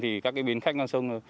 thì các cái bến khách ngang sông